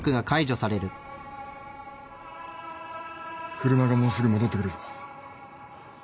車がもうすぐ戻ってくるぞ。